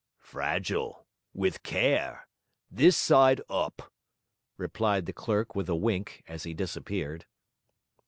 'Fragile. With care. This side up,' replied the clerk with a wink, as he disappeared.